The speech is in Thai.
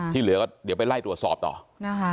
ที่เหลือก็เดี๋ยวไปไล่ตรวจสอบต่อนะคะ